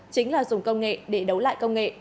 chính là dùng công nghệ để đấu lại công nghệ